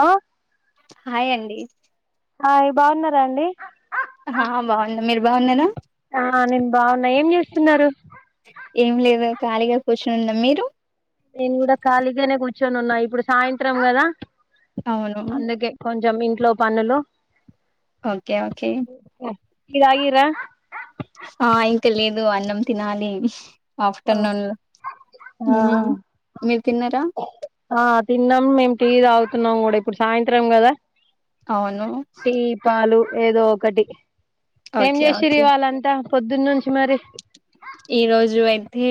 ఆ. హాయ్ అండి. హాయ్ బాగున్నారా అండి. ఆ బాగున్నా మీరు బాగున్నార. ఆ నేను బాగున్నా ఏం చేస్తున్నారు. ఏం లేదు ఖాళీగా కూర్చొని ఉన్నాం మీరు. నేను కూడా కాలీగనే కుర్చ్. ర్చోనున్న ఇప్పుడు సాయంత్రం గదా. అవును అందుకే కొం. జామ్ ఇంట్లో పనులు. Okay okay. టీ తాగిర్రా. ఆ ఇంకా లేదు అన్నం తినాలీ. ఆ మ్మ్ మీరు తిన్నారా ఆ తిన్నాం మేం టీ తాగుత్. న్నాం గూడా ఇప్పుడు సాయంత్రం గదా. అవును. ఏదో ఒకటి. ఏం ఓకే జేషిర్రు ఓకే ఇవాళ్ళంతా. పొద్దునుంచి మరి. ఈ రోజు ఐతే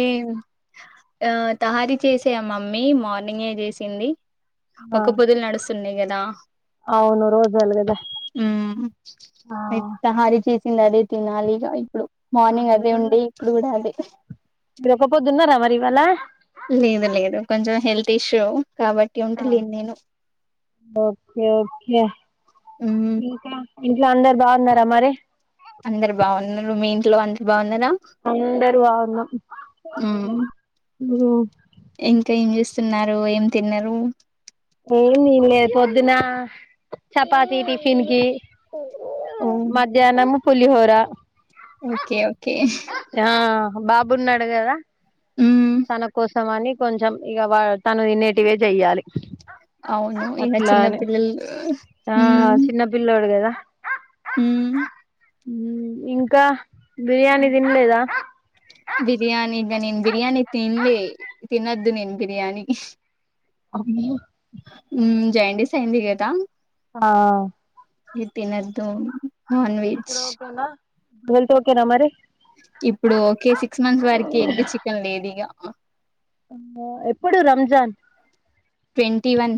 ఆ తహారీ చేసేయ మమ్మీ మార్నింగే జేసింది. ఆ ఒక్క పొద్దులు నడుస్తూ. తున్నీ గదా. అవును రోజూ అలగదా ఆ. తింనదే తినాలి ఇగ ఇప్పుడు ఆహా మార్నింగ్ అదే మీరున్న ఉండి. చూడాలి. రివ్వాళ. లేదు లేదు కొంచెం హెల్త్ ఇష్యూ. కాబట్టి ఉంటలేను నేను ఓకే ఓకే మ్మ్ ఇంకా. ఇంట్లో అందరు బావున్నారా మరి. అందరు బావున్నరు మీ ఇంట్లో అందరు బాన్ అందరు బావున్నా మి మ ఇంక ఏం చేస్సున్నారు ఏం తిన్నరు. ఏం దిన్ లే పొద్దునా, చపాతి టిఫిన్ కి ఓ మధ్యాన్నము. పులిహోరా ఓకే ఒ ఆ బాబున్నాడు కదా. మ్మ్ తనకొస్ సం అని కొంచెం ఇగ వా తను తినేటివే జెయ్యాలి. అవును ఇన చిన్న పిల్లల్ల్ లు ఆ హు చిన్న పిల్లోడు కదా హుం ఇంకా బిర్యానీ తిన్లేదా బిర్యాని ఇగ నేను బిర్యానీ తిన్లే, తిన్నద్దు నేన్ బిర్యానీ అ మ్మ్ ఉ జెండి‌స్ అయింది కద. ఆ ఇ తినద్దు. నాన్ వెజ్జ్ వెళ్తే ఓకేనా మరి ఇప్పుడు ఓకే సిక్స్ మంస్స్ వరకి ఎగ్గ్, చికెన్ లేదు ఇగ అం వ ఎప్పుడు రంజాన్. ట్వంటీ వన్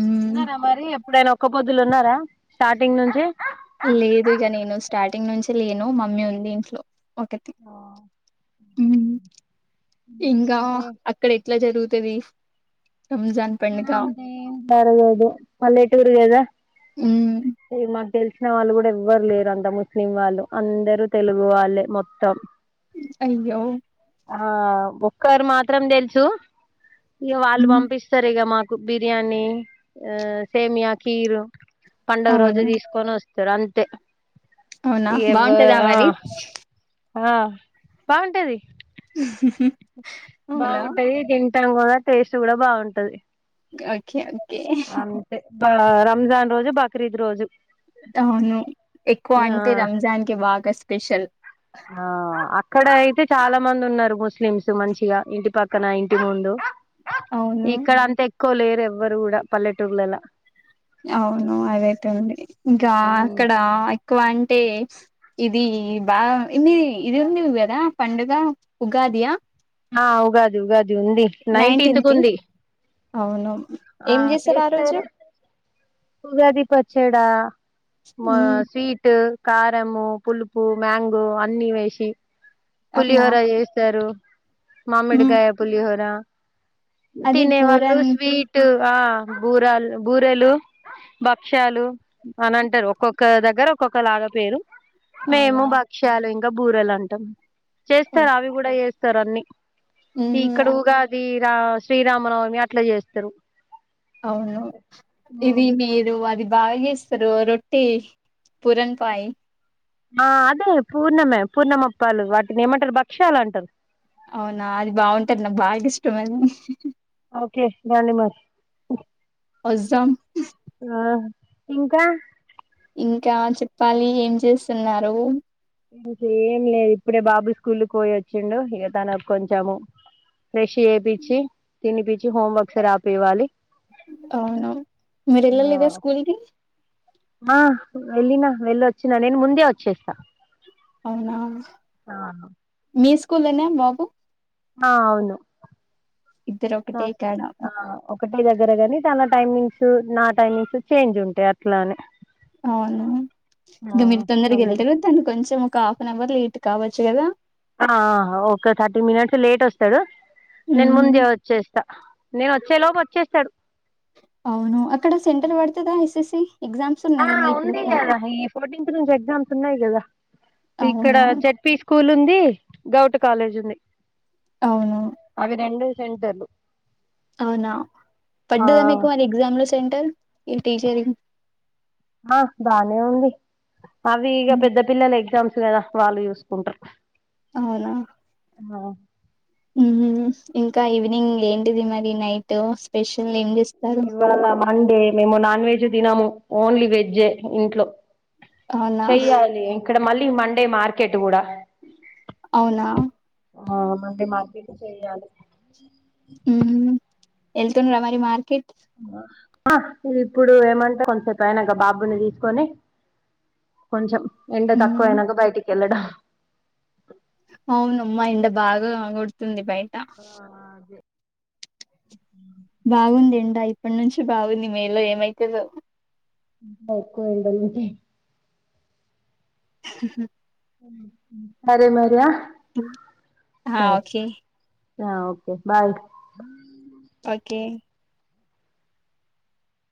మ్మ్ ఉన్నర మరి ఎ ప్పుడైన ఒక్క పొద్దులు ఉన్నారా స్టార్టింగ్ నుంచి లేదు ఇగ నేను స్టార్టింగ్ నుంచే లేను మమ్మీ ఉంది ఇంట్లో ఒకటి, హ్మ్ం ఇంకా అక్కడ ఎట్ల జరు తిది ఉహ అంతేం జరగదు పల్లెటూరు గదా. ఉమ్ మాకు తెలిసిన వాళ్ళు కూడా ఎవ్వరు లేరు అంత ముస్లిం వాళ్ళు అందరు తెలుగు వాళ్ళే మొత్తం అయ్యో ఆ ఒక్కరు మాత్రం థెల్సు, ఇక వాళ్ళు హ్మ్. పంపిసస్సరు ఇగ మాకు బిర్యానీ, ఆ సేమియా కీరు పండగ రోజు అవును దిస్ కొనొస్ తరంతే అవునా బాగుంటదా మరి ఆ బాగుంటేది అవునా బాగుంటది తిం టంగద టేస్ట్ కూడా బాగుంటది ఓకే ఓకే అంతే బా ఆ రంజాన్ రోజు బక్రీద్ రోజు అవును ఎక్కువ అంటే ఆ రంజాన్ కి బాగా స్పెషల్ ఆ అక్కడ అయితే చాలా మంది ఉన్నారు ము స్లిమ్స్ మంచిగా ఇంటి పక్కన, ఇంటి ముందు అవును ఇక్కడ అంతె క్కువలేరెవరు కూడా పల్లెటూర్లలా అవును అదైతే ఉంది ఇంకా అక్కడ ఎ క్కువ అంటే ఇది బాగా ఇన్ని ఇది ఉందివి కదా పండుగ ఉగాదియా ఆ ఉగాది ఉగాది ఇది ఉంది నైన్టీన్త్ కు ఉంది అవును ఆ ఏం చేశారు ఆ రోజు చేస్తారు ఉగాది పచ్చడా మా హ్మ్. స్వీట్ కారము పులుపు మ్యాంగో అన్నీ వేశి అవునా పులిహోర ఎస్తారు హ్మ్. మామిడిగాయ పులిహోర అది తినేవాళ్ళు పూరన్ స్వీట్ ఆ బూరలు, బూరెలు, భక్ష్యాలు అని అంటారు ఒక్కొక్క దగ్గర ఒక్కొక్క లాగా పేరు మేము అవునా భక్ష్యాలు ఇం కా బూరలు అంటాం చేస్తారు అవి కూడా చేస్త స్తారాన్ని ఈ ఉహు ఇక్కడ ఊగాది రా శ్రీరామనవమి అట్లా చేస్తారు. అవును ఇది మీరు అది బాగా యేస్తరు రొట్టి పూరన్ పయి ఆ అదే పూర్ణమే పూర్ణమప్పాలు వాటిని ఏమంటారు భక్ష్యలు అంటారు అవునా అది బాగుంటది నాకు బాగా ఇష్టం అది ఓకే దండి మరి వస్తాం ఆ ఇంకా ఇంకా చెప్పాలి ఏం చేస్తున్నారు ఇక ఏం లేదు ఇప్పుడే బాబు స్కూల్ పోయి వచ్చిండు ఇక తనకు కొంచెము ఫ్రెష్ చేపిచ్చి తినిపిచ్చి హోమ్ వర్క్స్ రాపివాలి అవును మీరు వెళ్ళలేదా స్కూల్ కి ఆ వెళ్ళిన వెళ్ళ వచ్చినా నేను ముందే వచ్చేస్తా అవునా ఆ మీస్ స్కూల్ నే బాబు ఆ అవును ఇద్దరు ఒక్కటే కాడ ఒక్కటే దగ్గర కానీ తన టైమింగ్స్ నా టైమింగ్స్ చేంజ్ ఉంటాయి అట్లాని అవును ఇంక మీరు తొందరకి అందుకు వెళ్తారు తను కొంచెం ఒక హఫనోవర్ లేట్ కావచ్చుకదా ఆ హ ఓక థర్టీ మినిట్స్ లేట్ వస్తాడు నేను ఉహు ముందే వచ్చేస్తా నేను వచ్చే లోపు వచ్చేస్తాడు అవును అక్కడ సెంటర్ పడతాదా ఎస్ ఎస్ సి ఆ ఉంది కదా ఈ ఫోర్టీన్త్ నుంచి ఎగ్జామ్స్ ఉన్నాయి ఇలా ఇక్కడ అవును జడ్పి స్కూల్ ఉం ఇ గౌటు కాలేజ్ ఉంది అవును సెంటర్ లు అవునా పడ్డదా మీకు మరి ఎగ్జామ్ లో సెంటర్ ఈ టీచరింగ్ ఆ బానే ఉంది అవి ఇగ పెద్ద పిల్లలై ఎగ్జామ్స్ కదా వాళ్ళు చూసుకుంట్రర్ అవునా ఆ ఉ ఇంకా ఈవినింగ్ ఏంటిది మరి నైటు ఇవాలా అంటే మేము నాన్ వెజ్ తినము ఓన్లీ వెజ్జే ఇంట్లో అవునా చెయ్యాలి ఇక్కడ మళ్ ఈ మండే మార్కెట్ కూడా అవునా ఆ మళ్ళీ మార్కెట్ చెయ్యాలి ఊ వెళ్తున్నారా మరి మార్కెట్ ఆ ఇది ఇప్పుడు ఏమంటే కొంచెం సేపు అయినంక బాబుని తీసుకొని కొంచెం ఎండ తక్కువ ఉమ్ అయినంక బయటికి ఎల్లాడా అవును అమ్మా ఎండ బాగా కొడుతుంది బయట డ బాగుంది ఎండ ఇప్పటి నుంచి బాగుంది మే లో ఏమైతదో ఇంకా ఎక్కువ ఎండలు ఉంటాయి సరే మరి ఆ హ ఓకే హ ఓకే బాయ్ ఓకే